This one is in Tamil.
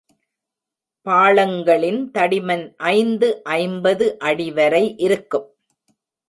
பாளங்களின் தடிமன் ஐந்து ஐம்பது அடி வரை இருக்கும்.